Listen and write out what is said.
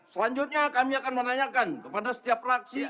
selanjutnya kami akan menanyakan kepada setiap fraksi